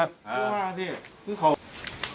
อ่า